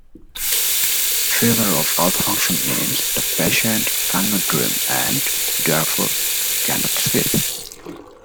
Failure of alpha-function means the patient cannot dream and therefore cannot sleep.